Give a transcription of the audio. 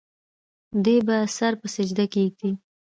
دے به سر پۀ سجده کيږدي